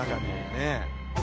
ねえ。